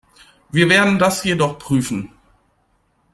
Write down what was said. Wir werden das jedoch prüfen.